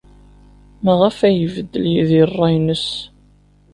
Maɣef ay ibeddel Yidir ṛṛay-nnes?